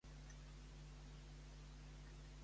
Podries mostrar-li la meva ubicació al meu marit?